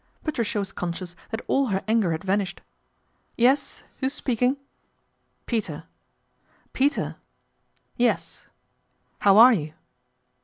Patricia was conscious that all her anger had vanished. " Yes, who is speaking ?"" Peter/' " Yes." " How are you